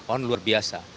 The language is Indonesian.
oh luar biasa